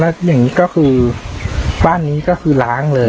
แล้วอย่างนี้ก็คือบ้านนี้ก็คือล้างเลย